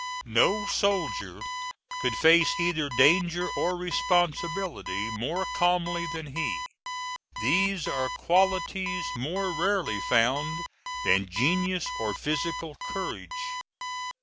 No soldier could face either danger or responsibility more calmly than he. These are qualities more rarely found than genius or physical courage.